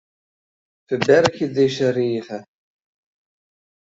Ferbergje dizze rige.